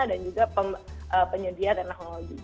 dan juga penyedia teknologi